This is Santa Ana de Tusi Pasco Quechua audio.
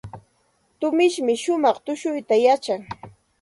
Tumishmi shumaq tushuyta yachan.